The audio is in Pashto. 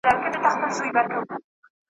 عُمر مي دي ستاسی، وايي بله ورځ`